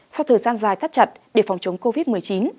sau thời gian dài thắt chặt để phòng chống covid một mươi chín